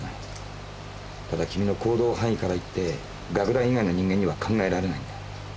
ただ君の行動範囲からいって楽団以外の人間には考えられないんだ。